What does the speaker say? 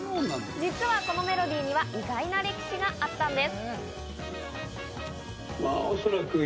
実はこのメロディーには意外な歴史があったんです。